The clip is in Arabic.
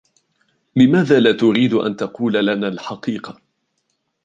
لماذا لا تريد أن تقول لنا الحقيقة ؟